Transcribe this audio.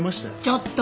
ちょっと！